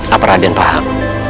apa raden paham